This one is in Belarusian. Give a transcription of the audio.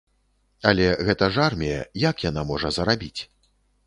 Але гэта ж армія, як яна можа зарабіць?